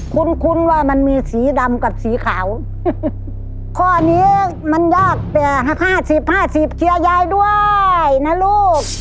คุ้นคุ้นว่ามันมีสีดำกับสีขาวข้อนี้มันยากแต่ห้าสิบห้าสิบเชียร์ยายด้วยนะลูก